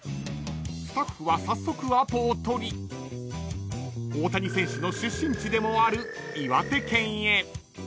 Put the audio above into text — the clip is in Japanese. ［スタッフは早速アポを取り大谷選手の出身地でもある岩手県へ］